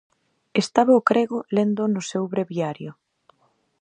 Estaba o crego lendo no seu breviario.